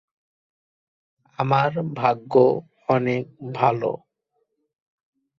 তিনি ভারতে ব্রিটিশ শাসনের বিরুদ্ধে বিপ্লবী আন্দোলনে উল্লেখযোগ্যভাবে অংশ গ্রহণ করেছিলেন।